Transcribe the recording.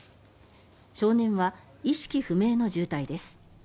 少年は意識不明の重体です。